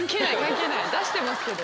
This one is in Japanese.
出してますけど。